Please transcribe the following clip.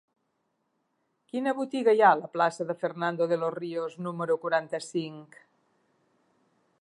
Quina botiga hi ha a la plaça de Fernando de los Ríos número quaranta-cinc?